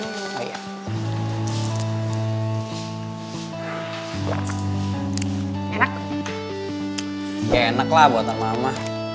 jangan terlalu mahal jadinya